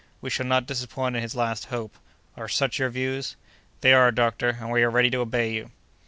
We shall not disappoint his last hope. Are such your views?" "They are, doctor, and we are ready to obey you."